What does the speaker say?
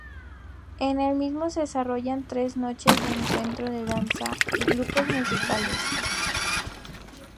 En el mismo se desarrollan tres noches de encuentro de danza y grupos musicales.